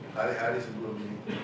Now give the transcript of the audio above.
hari hari sebelum ini